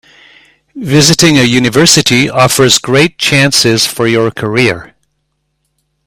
Visiting a university offers great chances for your career.